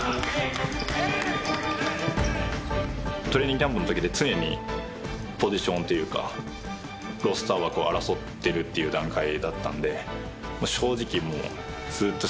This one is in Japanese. トレーニングキャンプの時で常にポジションというかロスター枠を争ってるっていう段階だったので正直